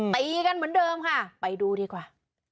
ตีกันเหมือนเดิมค่ะไปดูดีกว่า